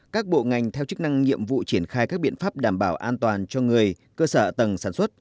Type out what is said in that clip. các bộ ngành theo chức năng nhiệm vụ triển khai các biện pháp đảm bảo an toàn cho người cơ sở tầng sản xuất